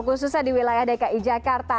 khususnya di wilayah dki jakarta